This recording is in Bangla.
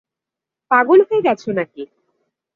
পাগল হয়ে গেছ নাকি?